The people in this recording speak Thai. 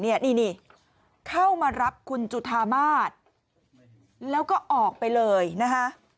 นี่นี่เข้ามารับคุณจุธามาศแล้วก็ออกไปเลยนะคะ